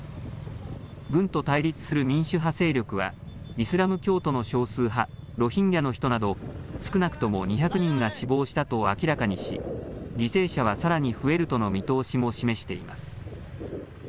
軍と対立する民主派勢力はイスラム教徒の少数派、ロヒンギャの人など少なくとも２００人が死亡したと明らかにし犠牲者はさらに増えるとの見通しも示しています。